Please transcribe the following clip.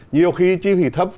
nhiều khi chi phí thấp